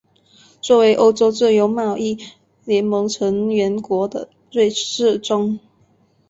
作为欧洲自由贸易联盟成员国的瑞士中。